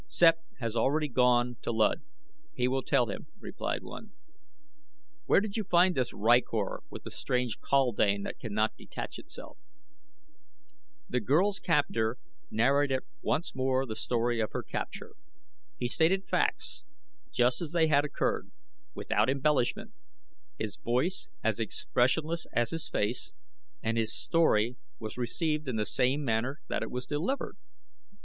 "Sept has already gone to Luud. He will tell him," replied one. "Where did you find this rykor with the strange kaldane that cannot detach itself?" The girl's captor narrated once more the story of her capture. He stated facts just as they had occurred, without embellishment, his voice as expressionless as his face, and his story was received in the same manner that it was delivered.